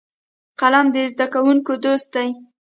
قلم د زده کوونکو دوست دی